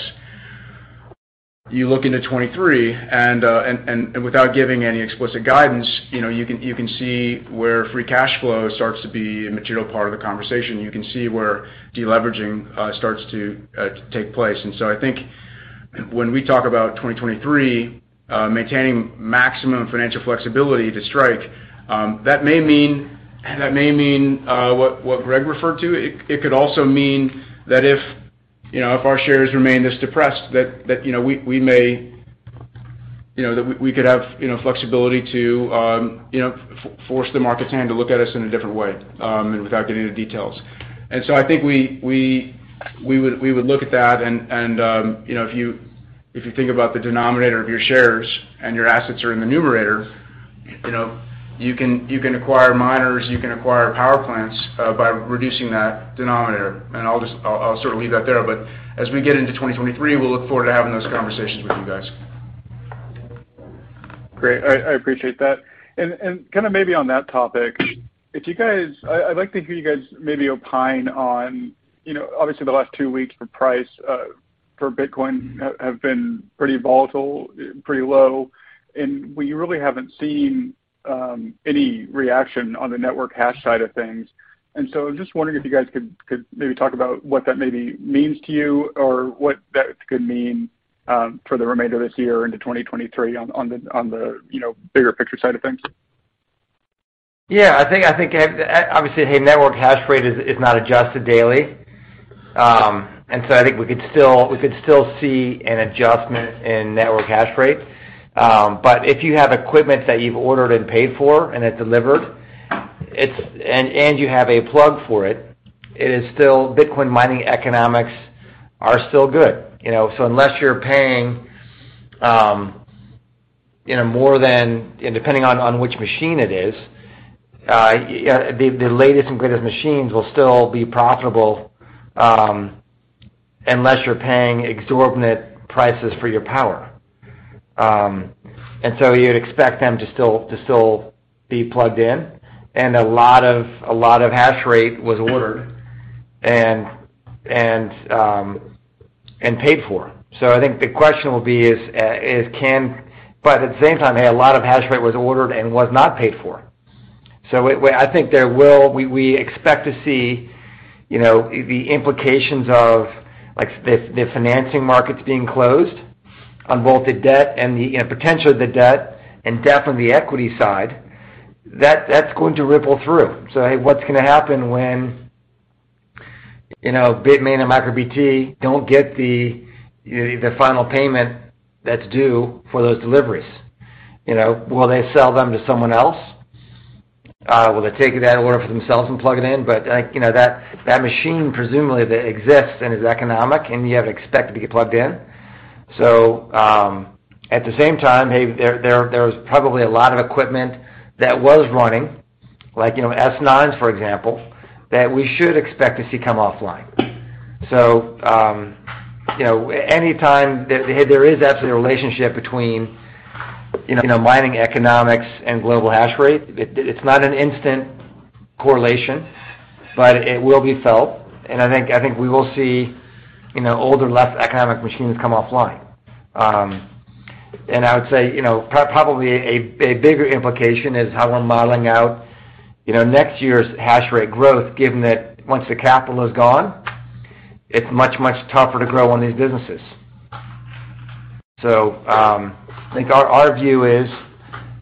you look into 2023 and without giving any explicit guidance, you know, you can see where free cash flow starts to be a material part of the conversation. You can see where de-leveraging starts to take place. I think when we talk about 2023, maintaining maximum financial flexibility to strike, that may mean what Greg referred to. It could also mean that if you know if our shares remain this depressed, that you know we may you know that we could have you know flexibility to you know force the market's hand to look at us in a different way, and without getting into details. I think we would look at that and you know if you think about the denominator of your shares and your assets are in the numerator, you know you can acquire miners, you can acquire power plants by reducing that denominator. I'll just sort of leave that there. As we get into 2023, we'll look forward to having those conversations with you guys. Great. I appreciate that. Kind of maybe on that topic, I'd like to hear you guys maybe opine on. You know, obviously the last two weeks, the price for Bitcoin have been pretty volatile, pretty low, and we really haven't seen any reaction on the network hash side of things. I'm just wondering if you guys could maybe talk about what that maybe means to you or what that could mean for the remainder of this year into 2023 on the bigger picture side of things. Yeah. I think obviously hey network hash rate is not adjusted daily. I think we could still see an adjustment in network hash rate. If you have equipment that you've ordered and paid for and it delivered, and you have a plug for it is still Bitcoin mining economics are still good. You know unless you're paying you know more than, and depending on which machine it is, you know the latest and greatest machines will still be profitable, unless you're paying exorbitant prices for your power. You'd expect them to still be plugged in. A lot of hash rate was ordered and paid for. I think the question will be is can. At the same time, a lot of hash rate was ordered and was not paid for. I think there will. We expect to see, you know, the implications of, like, the financing markets being closed on both the debt and the, you know, potentially the debt and equity side, that's going to ripple through. What's gonna happen when, you know, Bitmain and MicroBT don't get the final payment that's due for those deliveries? You know, will they sell them to someone else? Will they take that order for themselves and plug it in? Like, you know, that machine presumably exists and is economic, and you have to expect it to get plugged in. At the same time, there's probably a lot of equipment that was running, like, you know, S9s, for example, that we should expect to see come offline. There is absolutely a relationship between, you know, mining economics and global hash rate. It's not an instant correlation, but it will be felt. I think we will see, you know, older, less economic machines come offline. I would say, you know, probably a bigger implication is how we're modeling out, you know, next year's hash rate growth, given that once the capital is gone, it's much, much tougher to grow on these businesses. I think our view is,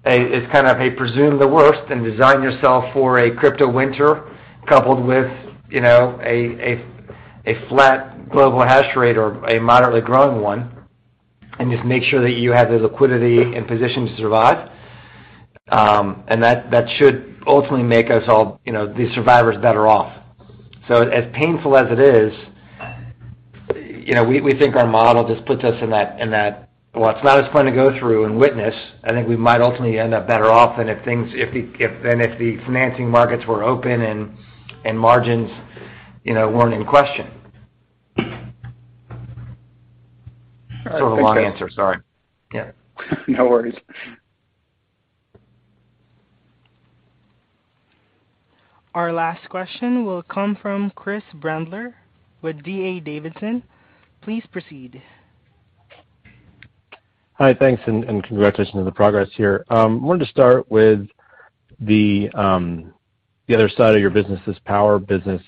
it's kind of assume the worst and design yourself for a crypto winter coupled with, you know, a flat global hash rate or a moderately growing one, and just make sure that you have the liquidity and position to survive. That should ultimately make us all, you know, the survivors better off. As painful as it is, you know, we think our model just puts us in that. While it's not as fun to go through and witness, I think we might ultimately end up better off than if the financing markets were open and margins, you know, weren't in question. All right. Thanks, Greg Beard. Sort of a long answer. Sorry. Yeah. No worries. Our last question will come from Chris Brendler with D.A. Davidson. Please proceed. Hi. Thanks and congratulations on the progress here. Wanted to start with the other side of your business, this power business.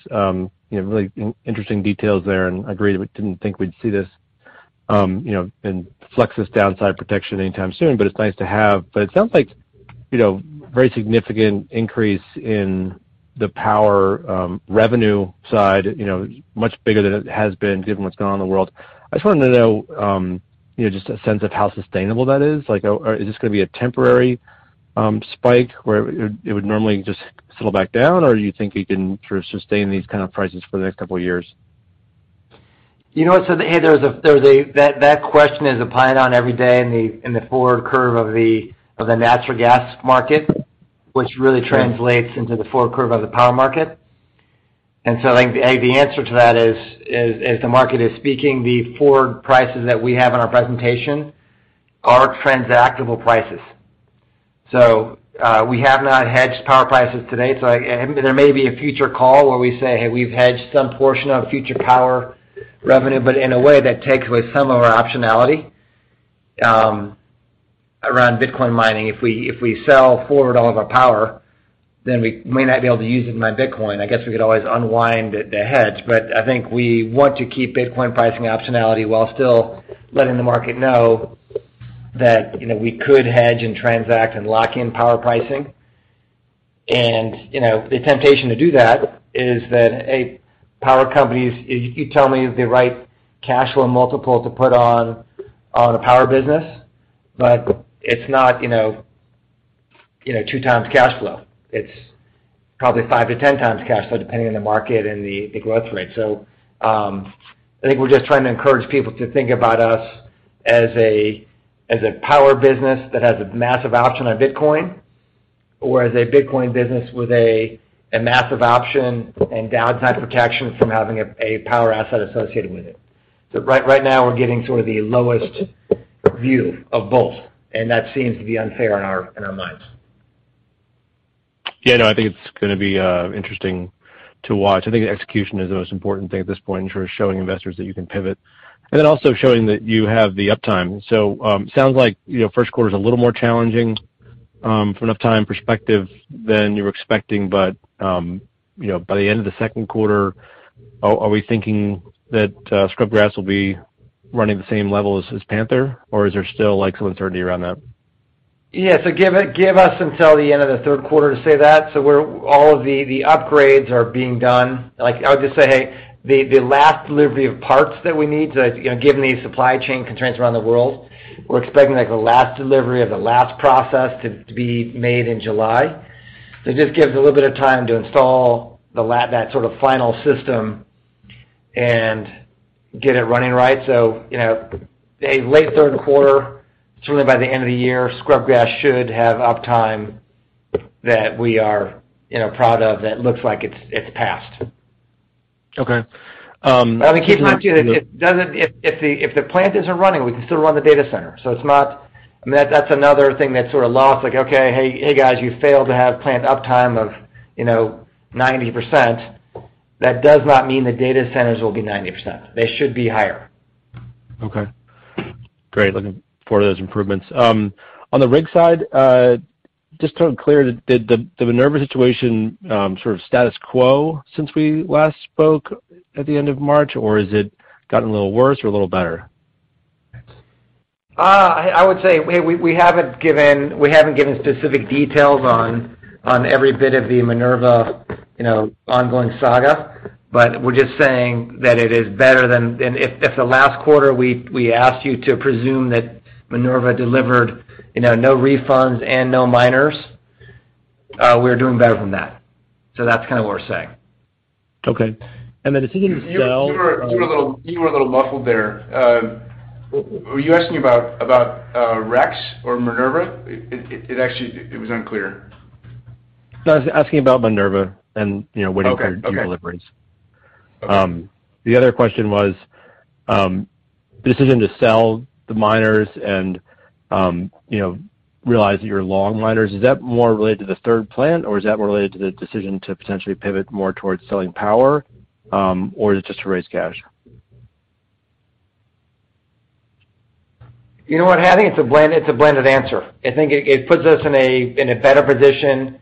You know, really interesting details there, and agreed we didn't think we'd see this, you know, and flex this downside protection anytime soon, but it's nice to have. It sounds like, you know, very significant increase in the power revenue side, you know, much bigger than it has been given what's going on in the world. I just wanted to know, you know, just a sense of how sustainable that is. Like, is this gonna be a temporary spike where it would normally just settle back down, or you think you can sort of sustain these kind of prices for the next couple of years? You know, that question is applied every day in the forward curve of the natural gas market, which really translates into the forward curve of the power market. I think the answer to that is the market is speaking. The forward prices that we have in our presentation are transactable prices. We have not hedged power prices today. There may be a future call where we say, "Hey, we've hedged some portion of future power revenue," but in a way that takes away some of our optionality around Bitcoin mining. If we sell forward all of our power, then we may not be able to use it to mine Bitcoin. I guess we could always unwind the hedge. I think we want to keep Bitcoin pricing optionality while still letting the market know that, you know, we could hedge and transact and lock in power pricing. You know, the temptation to do that is that, hey, power companies, you tell me the right cash flow multiple to put on a power business, but it's not, you know, 2x cash flow. It's probably 5x-10x cash flow, depending on the market and the growth rate. I think we're just trying to encourage people to think about us as a power business that has a massive option on Bitcoin or as a Bitcoin business with a massive option and downside protection from having a power asset associated with it. Right, right now we're getting sort of the lowest view of both, and that seems to be unfair in our minds. Yeah, no, I think it's gonna be interesting to watch. I think execution is the most important thing at this point in terms of showing investors that you can pivot, and then also showing that you have the uptime. Sounds like, you know,Q1 is a little more challenging from an uptime perspective than you were expecting. You know, by the end of the Q2, are we thinking that Scrubgrass will be running the same level as Panther, or is there still, like, some uncertainty around that? Yeah. Give us until the end of the Q3 to say that. All of the upgrades are being done. Like, I would just say, the last delivery of parts that we need to, you know, given the supply chain constraints around the world, we're expecting, like, the last delivery of the last process to be made in July. It just gives a little bit of time to install that sort of final system and get it running right. You know, a late Q3, certainly by the end of the year, Scrubgrass should have uptime that we are, you know, proud of that looks like it's past. Okay. Let me keep in mind too, it doesn't if the plant isn't running, we can still run the data center. It's not, I mean, that's another thing that's sort of lost. Like, okay, hey, guys, you failed to have plant uptime of, you know, 90%. That does not mean the data centers will be 90%. They should be higher. Okay. Great. Looking forward to those improvements. On the rig side, just so I'm clear, did the Minerva situation sort of status quo since we last spoke at the end of March, or has it gotten a little worse or a little better? I would say we haven't given specific details on every bit of the Minerva, you know, ongoing saga, but we're just saying that it is better than. If the last quarter we asked you to presume that Minerva delivered, you know, no refunds and no miners, we're doing better from that. That's kinda what we're saying. Okay. The decision to sell, You were a little muffled there. Were you asking about Rigs or Minerva? It actually was unclear. No. I was asking about Minerva and, you know, waiting for. Okay. -deliveries. Okay. The other question was, decision to sell the miners and, you know, realize that you're long-miners. Is that more related to the third plant, or is that more related to the decision to potentially pivot more towards selling power, or is it just to raise cash? You know what, Patty? It's a blend, it's a blended answer. I think it puts us in a better position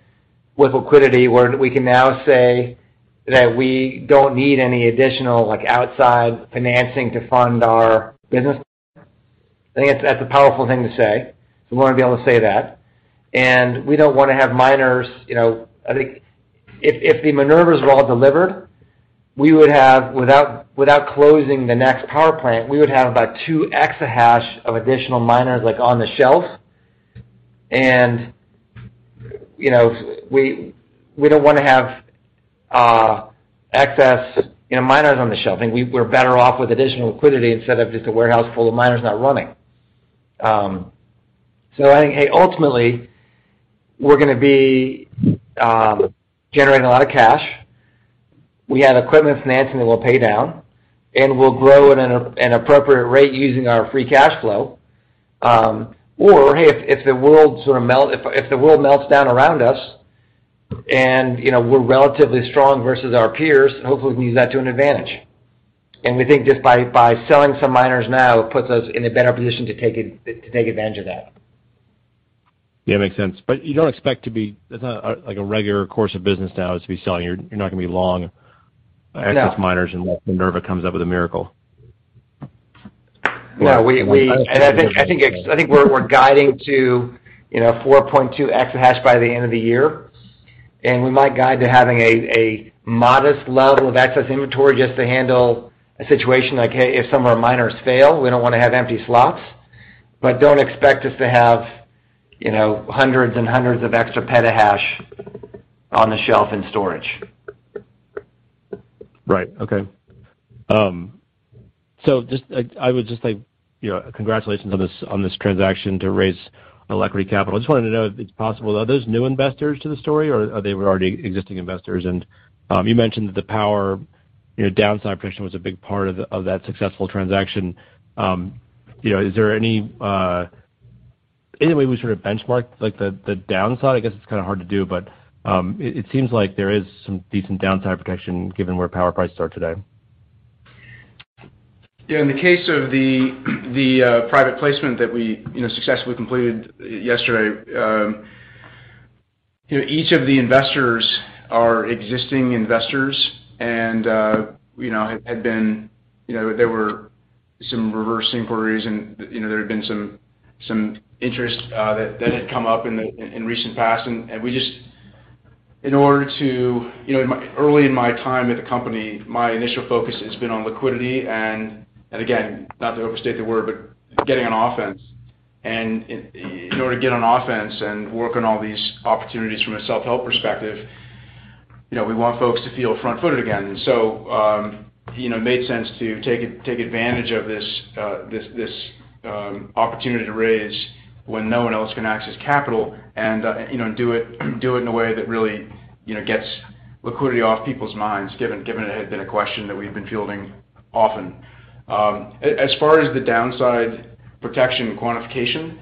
with liquidity, where we can now say that we don't need any additional, like, outside financing to fund our business. I think that's a powerful thing to say, so we wanna be able to say that. We don't wanna have miners, you know. I think if the Minervas were all delivered, without closing the next power plant, we would have about 2 exahash of additional miners, like, on the shelf. You know, we don't wanna have excess, you know, miners on the shelf. I think we're better off with additional liquidity instead of just a warehouse full of miners not running. I think ultimately, we're gonna be generating a lot of cash. We have equipment financing that we'll pay down, and we'll grow at an appropriate rate using our free cash flow. Or if the world melts down around us and, you know, we're relatively strong versus our peers, hopefully we can use that to an advantage. We think just by selling some miners now, it puts us in a better position to take advantage of that. Yeah, makes sense. You don't expect to be. It's not, like, a regular course of business now to be selling. You're not gonna be long- No. ASIC miners unless Minerva comes up with a miracle. No. I think we're guiding to, you know, 4.2 exahash by the end of the year, and we might guide to having a modest level of excess inventory just to handle a situation like, hey, if some of our miners fail, we don't wanna have empty slots. Don't expect us to have, you know, hundreds and hundreds of extra petahash on the shelf in storage. I would just like, you know, congratulations on this transaction to raise a liquidity capital. I just wanted to know if it's possible. Are those new investors to the story or were they already existing investors? You mentioned that the power, you know, downside protection was a big part of that successful transaction. You know, is there any way we sort of benchmark like, the downside? I guess it's kinda hard to do, but it seems like there is some decent downside protection given where power prices are today. Yeah. In the case of the private placement that we, you know, successfully completed yesterday, you know, each of the investors are existing investors and, you know, had been. You know, there were some reverse inquiries and, you know, there had been some interest that had come up in recent past. In order to, you know, early in my time at the company, my initial focus has been on liquidity and again, not to overstate the word, but getting on offense. In order to get on offense and work on all these opportunities from a self-help perspective, you know, we want folks to feel front-footed again. You know, it made sense to take advantage of this opportunity to raise when no one else can access capital and, you know, do it in a way that really, you know, gets liquidity off people's minds, given it had been a question that we've been fielding often. As far as the downside protection quantification,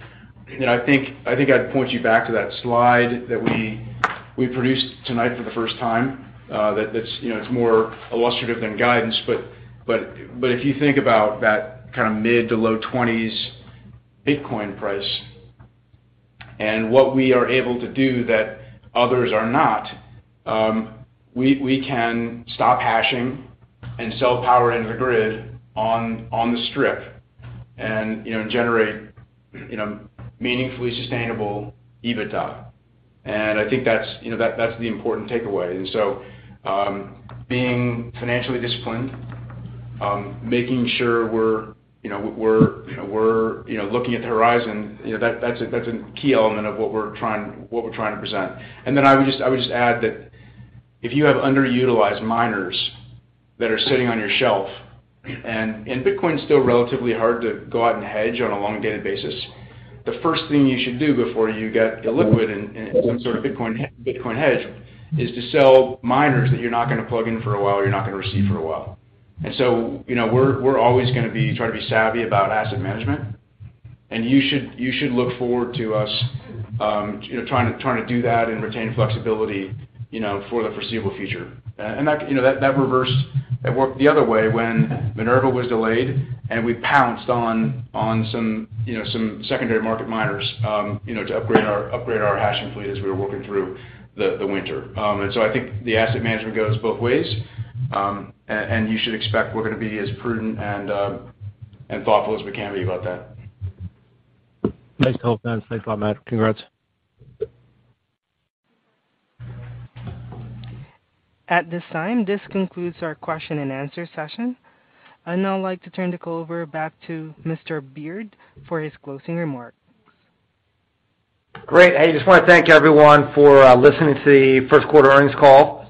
you know, I think I'd point you back to that slide that we produced tonight for the first time, that's, you know, it's more illustrative than guidance. If you think about that kinda mid- to low-20s Bitcoin price, and what we are able to do that others are not, we can stop hashing and sell power into the grid on the strip and, you know, generate, you know, meaningfully sustainable EBITDA. I think that's, you know, that's the important takeaway. Being financially disciplined, making sure we're, you know, looking at the horizon, you know, that's a key element of what we're trying to present. I would just add that if you have underutilized miners that are sitting on your shelf, and Bitcoin is still relatively hard to go out and hedge on a long-dated basis, the first thing you should do before you get illiquid in some sort of Bitcoin hedge is to sell miners that you're not gonna plug in for a while or you're not gonna receive for a while. You know, we're always gonna be trying to be savvy about asset management, and you should look forward to us, you know, trying to do that and retain flexibility, you know, for the foreseeable future. You know, that worked the other way when Minerva was delayed, and we pounced on some, you know, some secondary market miners, you know, to upgrade our hashing fleet as we were working through the winter. I think the asset management goes both ways, and you should expect we're gonna be as prudent and thoughtful as we can be about that. Nice call, Greg Beard. Thanks a lot, Matt. Congrats. At this time, this concludes our question and answer session. I'd now like to turn the call over back to Mr. Beard for his closing remarks. Great. I just wanna thank everyone for listening to the Q1 earnings call.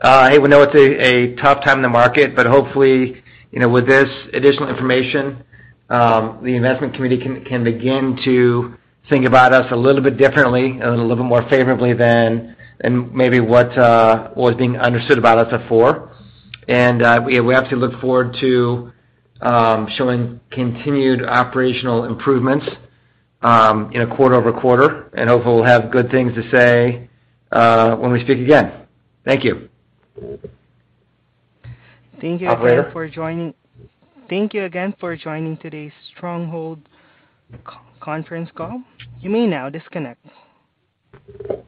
Hey, we know it's a tough time in the market, but hopefully, you know, with this additional information, the investment community can begin to think about us a little bit differently and a little bit more favorably than maybe what was being understood about us before. We obviously look forward to showing continued operational improvements, you know, quarter-over-quarter, and hopefully we'll have good things to say when we speak again. Thank you. Thank you again for joining. Operator. Thank you again for joining today's Stronghold Conference Call. You may now disconnect.